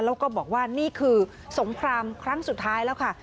แล้วก็บอกว่านี่คือสงครามครั้งสุดท้ายแล้วค่ะ